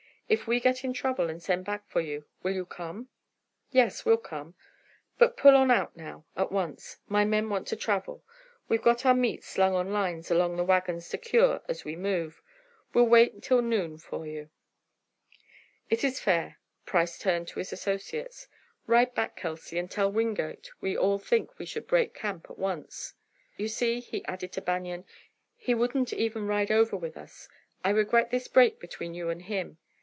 "If we get in trouble and send back for you, will you come?" "Yes, we'll come. But pull on out now, at once. My men want to travel. We've got our meat slung on lines along the wagons to cure as we move. We'll wait till noon for you." "It is fair." Price turned to his associates. "Ride back, Kelsey, and tell Wingate we all think we should break camp at once. "You see," he added to Banion, "he wouldn't even ride over with us. I regret this break between you and him.